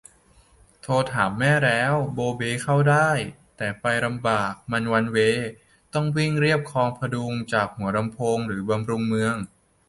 โทรถามแม่แล้ว โบ๊เบ๊เข้าได้ แต่ไปลำบาก มันวันเวย์ ต้องวิ่งเลียบคลองผดุงจากหัวลำโพงหรือบำรุงเมือง